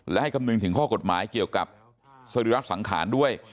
และให้คำนึงถึงข้อกฎหมายเกี่ยวกับสรีรัฐสังขารด้วย